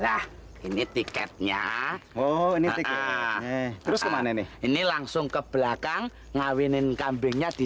nah ini tiketnya oh ini terus kemana nih ini langsung ke belakang ngawinin kambingnya di